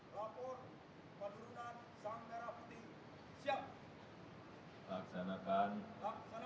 laporan komandan upacara kepada inspektur upacara